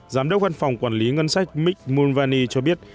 giám đốc văn phòng quản lý ngân sách mick mulvaney cho biết